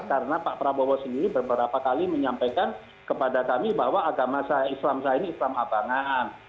karena pak prabowo sendiri beberapa kali menyampaikan kepada kami bahwa agama saya islam saya ini islam abangan